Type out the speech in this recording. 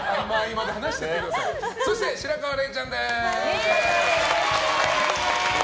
そして、白河れいちゃんです。